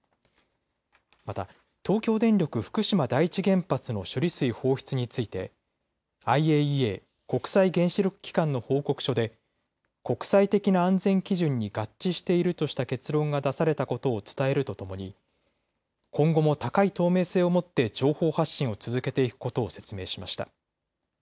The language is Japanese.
また東京電力福島第一原発の処理水放出についてＩＡＥＡ・国際原子力機関の報告書で国際的な安全基準に合致しているとした結論が出されたことを伝えるとともに今後も高い透明性をもって情報発信を続けていくことを説明しました。